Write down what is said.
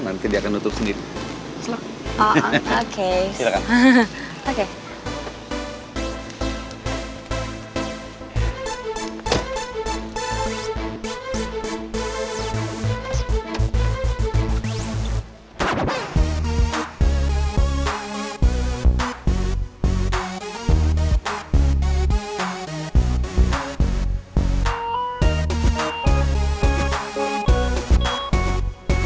jangan khawatir nanti dia akan nutup sendiri